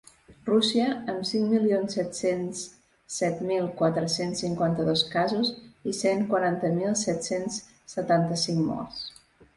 Rússia, amb cinc milions set-cents set mil quatre-cents cinquanta-dos casos i cent quaranta mil set-cents setanta-cinc morts.